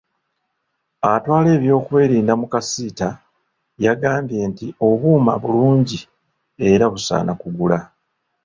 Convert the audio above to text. Atwala ebyokwerinda mu Kacita, yagambye nti obuuma bulungi era busaana kugula.